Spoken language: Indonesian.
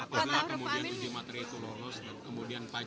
apabila kemudian uji materi itu lolos kemudian pak yusuf kala